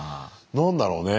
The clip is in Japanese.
何だろうね？